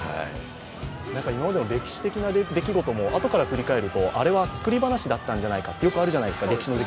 今までの歴史的な出来事もあとから振り返るとあれは作り話だったんじゃないかって、よくあるじゃないですか。